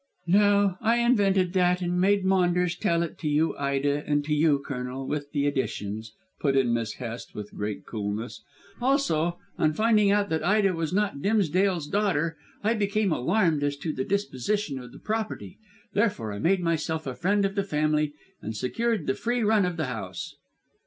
"No. I invented that and made Maunders tell it to you, Ida, and to you, Colonel, with the additions," put in Miss Hest, with great coolness. "Also, on finding out that Ida was not Dimsdale's daughter, I became alarmed as to the disposition of the property, therefore I made myself a friend of the family and secured the free run of the house."